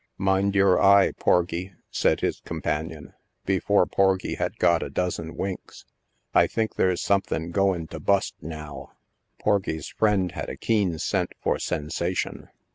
"Mind yer eye, Porgie, said his companion, before Porgie had got a dozen winks. " I think ther's somthen goen to bust now." Porgie's friend had a keen scent for sensation.